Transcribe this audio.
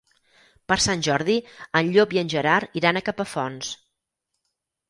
Per Sant Jordi en Llop i en Gerard iran a Capafonts.